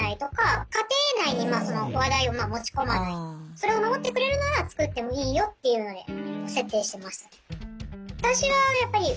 それを守ってくれるならつくってもいいよっていうので設定してました。